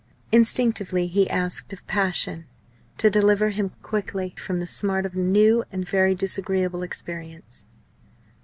Instinctively he asked of passion to deliver him quickly from the smart of a new and very disagreeable experience.